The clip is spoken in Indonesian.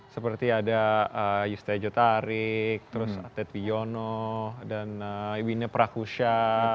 seperti ada yustadzio tarik terus atlet bionno dan ibina prakusha